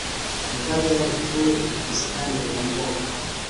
ubutabera buture mu busitani burumbuka.